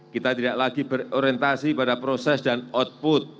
kita tidak lagi berorientasi pada proses dan output